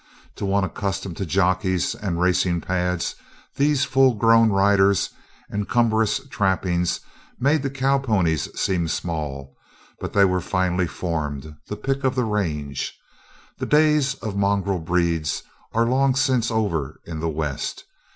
To one accustomed to jockeys and racing pads, these full grown riders and cumbrous trappings made the cowponies seem small but they were finely formed, the pick of the range. The days of mongrel breeds are long since over in the West.